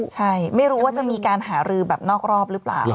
ใช่ไม่รู้ว่าจะมีการหารือแบบนอกรอบหรือเปล่า